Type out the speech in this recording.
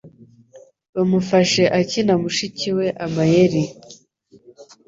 Bamufashe akina mushiki we amayeri.